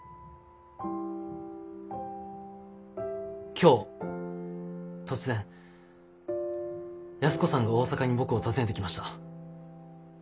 今日突然安子さんが大阪に僕を訪ねてきました。